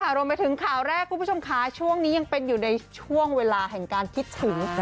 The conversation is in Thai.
รวมไปถึงข่าวแรกคุณผู้ชมค่ะช่วงนี้ยังเป็นอยู่ในช่วงเวลาแห่งการคิดถึง